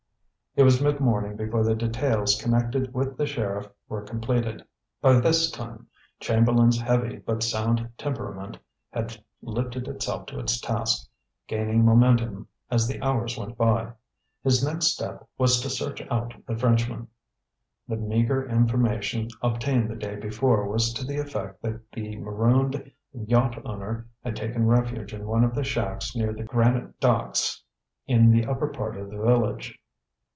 It was mid morning before the details connected with the sheriff were completed. By this time Chamberlain's heavy but sound temperament had lifted itself to its task, gaining momentum as the hours went by. His next step was to search out the Frenchman. The meager information obtained the day before was to the effect that the marooned yacht owner had taken refuge in one of the shacks near the granite docks in the upper part of the village.